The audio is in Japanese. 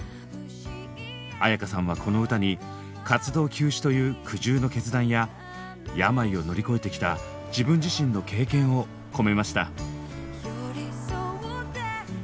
絢香さんはこの歌に活動休止という苦渋の決断や病を乗り越えてきた自分自身の経験を込めました。